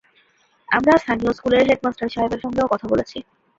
আমি স্থানীয় স্কুলের হেডমাস্টার সাহেবের সঙ্গেও কথা বলেছি।